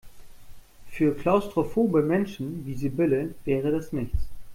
Für klaustrophobe Menschen wie Sibylle wäre das nichts.